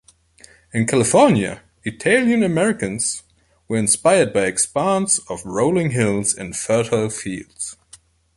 In California, Italian-Americans were inspired by expanse of rolling hills and fertile fields.